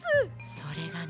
それがね。